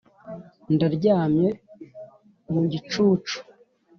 ndaryamye mu gicucu.